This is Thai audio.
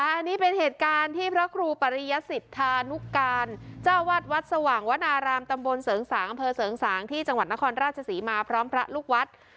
อันนี้เป็นเหตุการณ์ที่พระครูปริยสิทธานุการเจ้าวัดวัดสว่างวนารามตำบลเสริงสางอำเภอเสริงสางที่จังหวัดนครราชศรีมาพร้อมพระลูกวัด